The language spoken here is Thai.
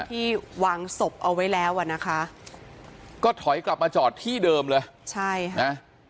ที่วางศพเอาไว้แล้วอ่ะนะคะก็ถอยกลับมาจอดที่เดิมเลยใช่ค่ะนะ